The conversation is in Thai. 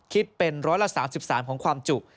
คิดเป็นร้อยละ๓๓ของความจุ